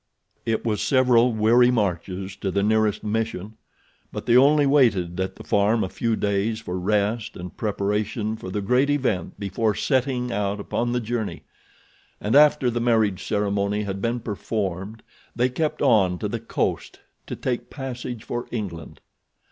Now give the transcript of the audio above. It was several weary marches to the nearest mission; but they only waited at the farm a few days for rest and preparation for the great event before setting out upon the journey, and after the marriage ceremony had been performed they kept on to the coast to take passage for England.